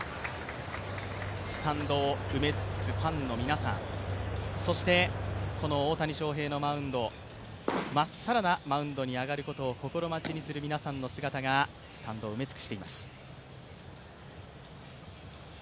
スタンドを埋め尽くすファンの皆さん、そしてこの大谷翔平のマウンド、まっさらなマウンドに上がることを心待ちにする皆さんがスタンドを埋め尽くしています。